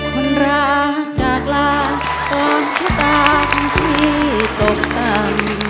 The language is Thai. คนรักจากลากล่อชะตาที่ปกตำ